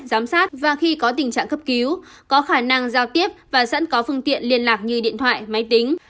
giám sát và khi có tình trạng cấp cứu có khả năng giao tiếp và sẵn có phương tiện liên lạc như điện thoại máy tính